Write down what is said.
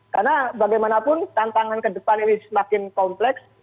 karena bagaimanapun tantangan ke depan ini semakin kompleks